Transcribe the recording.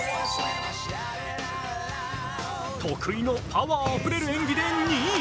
得意のパワーあふれる演技で２位。